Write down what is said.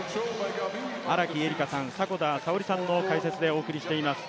荒木絵里香さん、迫田さおりさんの解説でお送りしています。